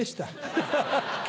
ハハハ。